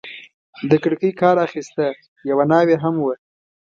د کړکۍ کار اخیسته، یوه ناوې هم وه.